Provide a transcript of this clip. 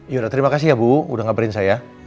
yaudah terima kasih ya bu udah ngaprin saya